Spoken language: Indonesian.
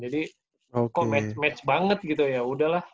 jadi kok match match banget gitu ya udah lah